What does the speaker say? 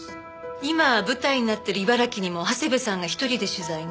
今舞台になってる茨城にも長谷部さんが１人で取材に？